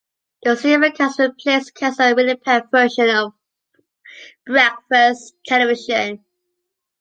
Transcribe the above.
The simulcast replaced the cancelled Winnipeg version of "Breakfast Television".